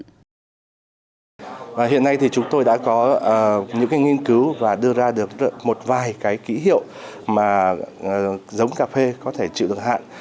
hiện nay thì chúng tôi đã có những nghiên cứu và đưa ra được một vài kỹ hiệu giống cà phê có thể trựu được hạn